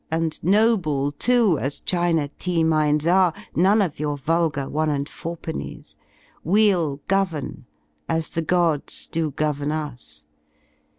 And noble, too, as China tea minds are — None of your vulgar one and fourpennies — JVeUl govern as the gods do govern us.